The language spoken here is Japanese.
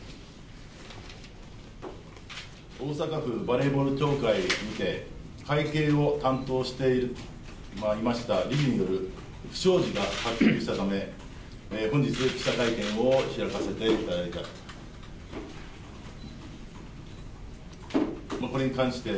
大阪府バレーボール協会にて、会計を担当しておりました理事による不祥事が発覚したため、本日、記者会見を開かせていただきました。